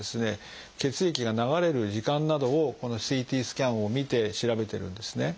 血液が流れる時間などをこのＣＴスキャンを見て調べてるんですね。